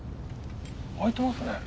開いてますね。